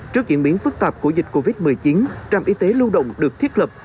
trước diễn biến phức tạp của dịch covid một mươi chín trạm y tế lưu động được thiết lập